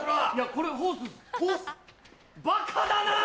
これホースです。